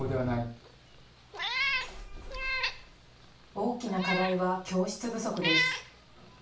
大きな課題は教室不足です。